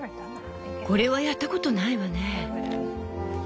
これはやったことないわね。